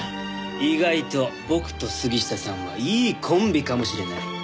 意外と僕と杉下さんはいいコンビかもしれない。